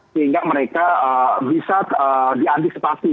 sehingga mereka bisa diantisipasi